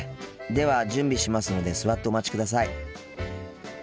では準備しますので座ってお待ちください。